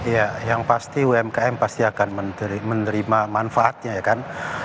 ya yang pasti umkm pasti akan menerima manfaatnya ya kan